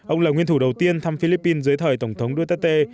ông là nguyên thủ đầu tiên thăm philippines dưới thời tổng thống duterte